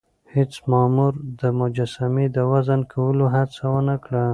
هیڅ مامور د مجسمې د وزن کولو هڅه ونه کړه.